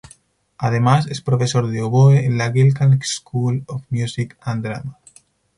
Además, es profesor de oboe en la Guildhall School of Music and Drama.